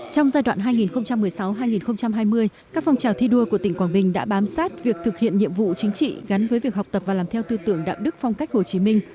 trong giai đoạn hai nghìn một mươi sáu hai nghìn hai mươi các phong trào thi đua của tỉnh quảng bình đã bám sát việc thực hiện nhiệm vụ chính trị gắn với việc học tập và làm theo tư tưởng đạo đức phong cách hồ chí minh